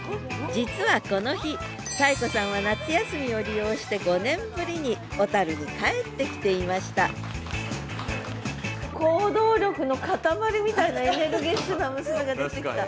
実はこの日沙恵子さんは夏休みを利用して５年ぶりに小に帰ってきていましたエネルギッシュな娘が出てきた。